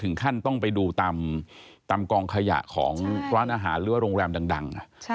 ขั้นต้องไปดูตามกองขยะของร้านอาหารหรือว่าโรงแรมดัง